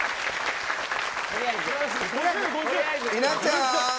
稲ちゃん。